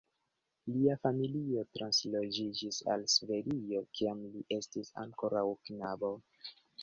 Lia familio transloĝiĝis al Svedio, kiam li estis ankoraŭ knabo.